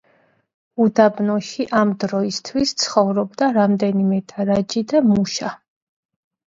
უდაბნოში ამ დროისათვის ცხოვრობდა რამდენიმე დარაჯი და მუშა.